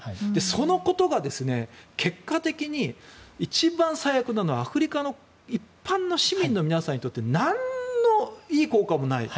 そのことが結果的に一番最悪なのはアフリカの一般の市民の皆さんにとってなんのいい効果もない。